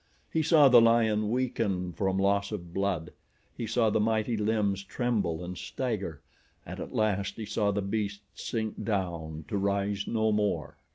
He saw the lion weaken from loss of blood. He saw the mighty limbs tremble and stagger and at last he saw the beast sink down to rise no more.